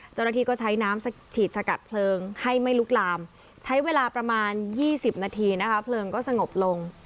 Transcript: เจ้าหน้าที่ก็ใช้น้ำฉีดสกัดเพลิงให้ไม่ลุกลามใช้เวลาประมาณ๒๐นาทีนะคะเพลิงก็สงบลง